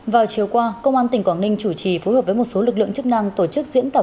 vào chiều qua công an tỉnh quảng ninh chủ trì phối hợp với một số lực lượng chức năng tổ chức diễn tập